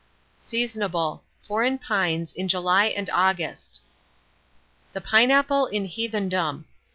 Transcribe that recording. Seasonable. Foreign pines, in July and August. THE PINEAPPLE IN HEATHENDOM.